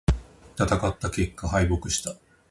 戦った結果、敗北した。